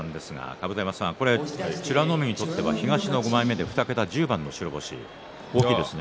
甲山さん、美ノ海にとっては東の５枚目で２桁１０番の白星、大きいですね。